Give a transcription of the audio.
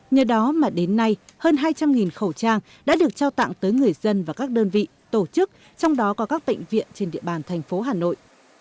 nhờ đó mà đến nay hơn hai trăm linh khẩu trang đã được trao tặng tới người dân và các đơn vị tổ chức trong đó có các bệnh viện trên địa bàn thành phố hà nội